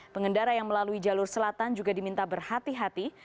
pengendara yang melalui jalur selatan juga diminta berhati hati